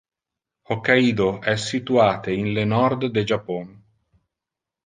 Hokkaido es situate in le nord de Japon.